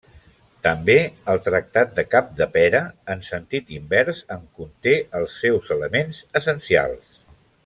També el Tractat de Capdepera, en sentit invers, en conté els seus elements essencials.